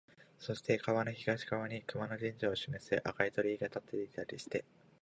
そして川の東側に熊野神社を示す赤い鳥居が立っていたりして、